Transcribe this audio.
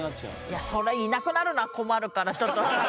いやそれいなくなるのは困るからちょっと。